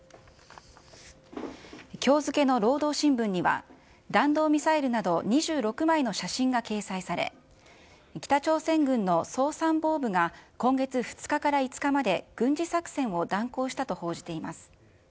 きょう付けの労働新聞には、弾道ミサイルなど、２６枚の写真が掲載され、北朝鮮軍の総参謀部が今月２日から５日まで軍事作戦を断行したと報じています。